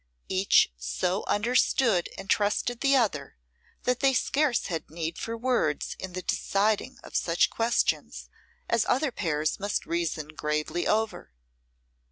Each so understood and trusted the other that they scarce had need for words in the deciding of such questions as other pairs must reason gravely over.